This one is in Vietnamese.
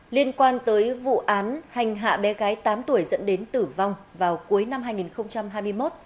liên quan tới vụ án hành hạ bé gái tám tuổi dẫn đến tử vong vào cuối năm hai nghìn hai mươi một